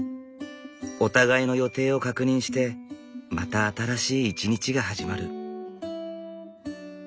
お互いの予定を確認してまた新しい一日が始まる。